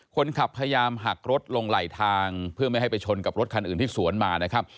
คนขับพยายามหักรถลงไหลทางเพื่อไม่ให้ไปชนกับรถคันอื่นที่สวนมานะครับ